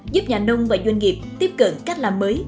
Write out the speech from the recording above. giúp nhà nông và doanh nghiệp tiếp cận cách làm mới